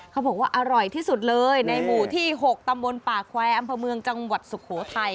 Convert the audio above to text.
เขาบอกว่าอร่อยที่สุดเลยในหมู่ที่๖ตำบลป่าแควร์อำเภอเมืองจังหวัดสุโขทัย